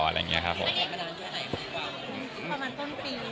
แล้วยังมีใครประมาณวันนี้